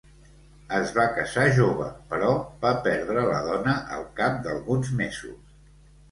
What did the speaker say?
Es va casar jove però va perdre la dona al cap d'alguns mesos.